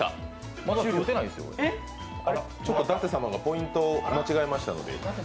ちょっと舘様がポイントを間違えましたので。